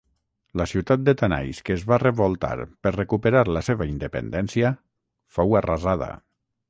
La ciutat de Tanais que es va revoltar per recuperar la seva independència, fou arrasada.